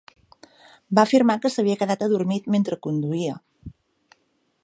Va afirmar que s'havia quedat adormit mentre conduïa.